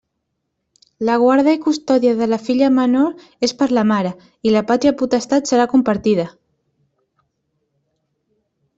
La guarda i custòdia de la filla menor és per a la mare, i la pàtria potestat serà compartida.